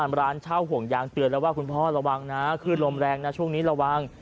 ร้านเช่าห่วงยางเตือนแล้วว่าคุณพ่อระวังนะขึ้นลมแรงนะช่วงนี้ระวัง